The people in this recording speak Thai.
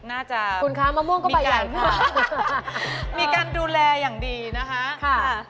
น่าจะมีการดูแลอย่างดีนะคะ